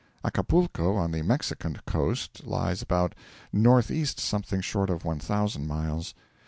Acapulco, on the Mexican coast, lies about north east something short of one thousand miles.